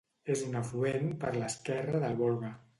És un afluent per l'esquerra del Volga.